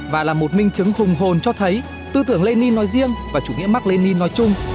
và là một minh chứng hùng hồn cho thấy tư tưởng lenin nói riêng và chủ nghĩa mark lenin nói chung